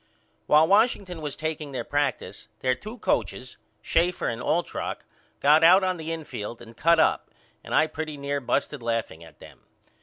While Washington was takeing their practice their two coachers Schaefer and Altrock got out on the infield and cut up and I pretty near busted laughing at them.